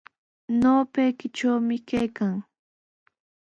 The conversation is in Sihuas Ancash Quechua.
Ñawpaykitrawmi kaykan.